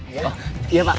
iya pak iya pak